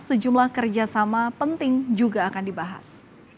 sejumlah kerjasama penting juga akan dibahas